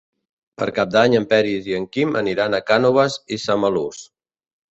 Per Cap d'Any en Peris i en Quim aniran a Cànoves i Samalús.